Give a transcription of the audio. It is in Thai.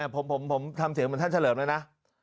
ผมทำเสียงเหมือนท่านเฉลิมแล้วนะ